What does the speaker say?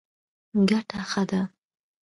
ګټه ښه ده.